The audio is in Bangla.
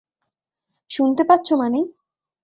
শুনতে পাচ্ছো মানি?